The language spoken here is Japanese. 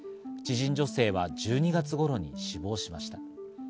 知人女性は１２月頃に死亡しました。